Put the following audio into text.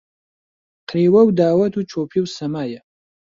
قریوە و داوەت و چۆپی و سەمایە